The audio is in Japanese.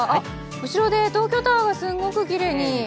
後ろで東京タワーがすごくきれいに。